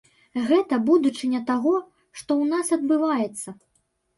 Гэта будучыня таго, што ў нас адбываецца.